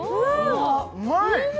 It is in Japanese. うまい！